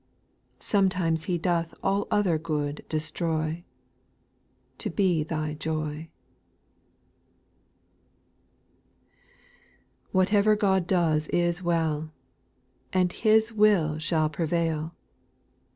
Sometimes He doth all other good destroy. To be Thy joy. 4. Whatever God does is well ! And His will shall prevail.